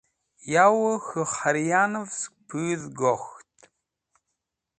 Yawẽ k̃hũ khẽryanẽv sek pũdh gok̃ht.